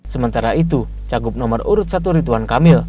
sementara itu cakup nomor urut satu ritwan kamil